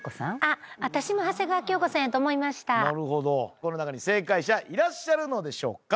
この中に正解者いらっしゃるのでしょうか？